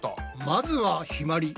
まずはひまり。